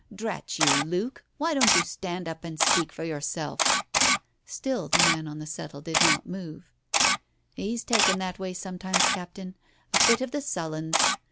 Drat you, Luke, why don't you stand up and speak for yourself ?" Still the man on the settle did not move. "He's taken that way sometimes, Captain. A fit of the sullens.